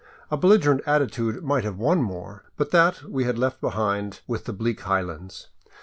A belligerent attitude might have won more, but that we had left behind with the bleak highlands.